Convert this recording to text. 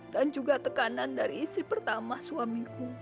dan juga tekanan dari istri pertama suamiku